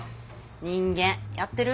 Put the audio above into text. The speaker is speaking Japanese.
人間やってる？